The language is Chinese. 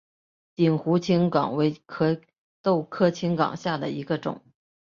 鼎湖青冈为壳斗科青冈属下的一个种。